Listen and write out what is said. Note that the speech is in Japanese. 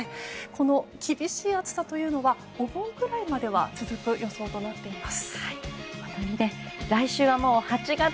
この厳しい暑さというのはお盆くらいまでは続く予想となっています。